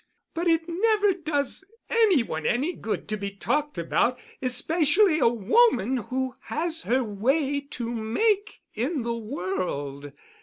But it never does any one any good to be talked about—especially a woman who has her way to make in the world.